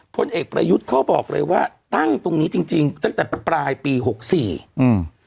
พลเอกประยุทธ์เขาบอกเลยว่าตั้งตรงนี้จริงจริงตั้งแต่ปลายปีหกสี่อืม